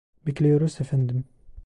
Bekliyoruz efendim